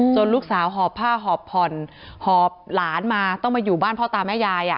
ลูกสาวหอบผ้าหอบผ่อนหอบหลานมาต้องมาอยู่บ้านพ่อตาแม่ยาย